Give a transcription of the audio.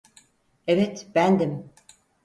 Evet, bendim.